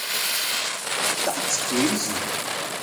That’s crazy.